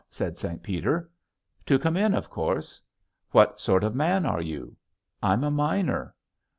said St. Peter. "To come in, of course." "What sort of man are you?" "I'm a miner."